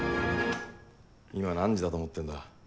今何時だと思ってんだ。